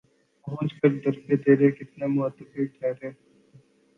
پہنچ کے در پہ ترے کتنے معتبر ٹھہرے